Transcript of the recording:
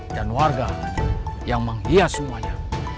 dan warga yang menghias semuanya